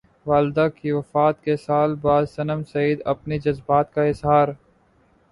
والدہ کی وفات کے سال بعد صنم سعید کا اپنے جذبات کا اظہار